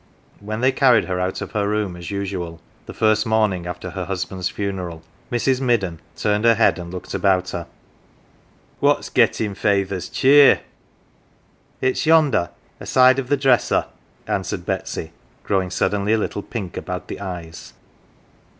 When they carried her out of her room as usual, the first morning after her husband^s funeral, Mrs. Midden turned her head and looked about her. " What 1 s gettin 1 Feyther's cheer ?"" It's yonder, aside of the dresser,"" answered Betsy, growing suddenly a little pink about the eyes.